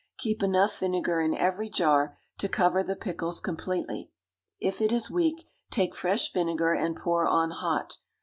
Keep enough vinegar in every jar to cover the pickles completely. If it is weak, take fresh vinegar and pour on hot.